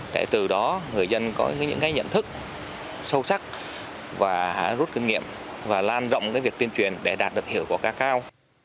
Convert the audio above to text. để từ đó người dân có những cái nhận thức sâu sắc và rút kinh nghiệm và lan rộng cái việc tuyên truyền để đạt được hiểu của ca cao